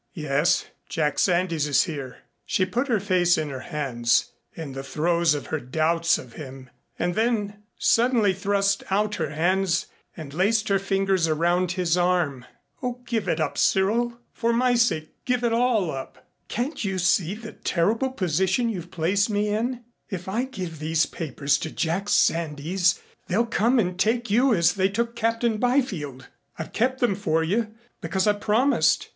"Yes. Jack Sandys is here." She put her face in her hands in the throes of her doubts of him and then suddenly thrust out her hands and laced her fingers around his arm. "Oh, give it up, Cyril, for my sake give it all up. Can't you see the terrible position you've placed me in? If I give these papers to Jack Sandys they'll come and take you as they took Captain Byfield. I've kept them for you, because I promised.